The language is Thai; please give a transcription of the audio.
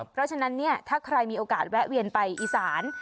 เพราะฉะนั้นเนี่ยถ้าใครมีโอกาสแวะเวียนไปอีสาน